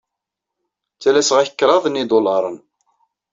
Ttalaseɣ-ak kraḍ n yidulaṛen.